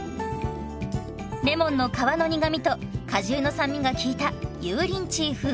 レモンの皮の苦みと果汁の酸味が効いた油淋鶏風。